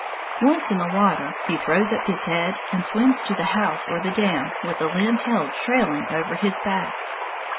Once in the water, he throws up his head and swims to the house or the dam with the limb held trailing out over his back.